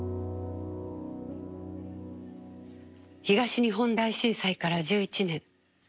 東日本大震災から１１年。